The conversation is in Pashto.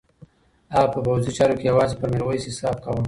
هغه په پوځي چارو کې یوازې پر میرویس حساب کاوه.